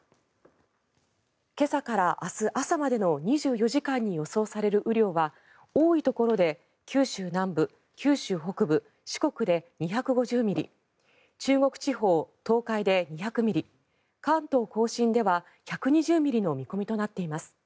今朝から明日朝までの２４時間で予想される雨量は多いところで九州南部九州北部、四国で２５０ミリ中国地方、東海で２００ミリ関東・甲信では１２０ミリの見込みとなっています。